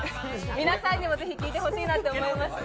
皆さんにも聴いてほしいなと思いました。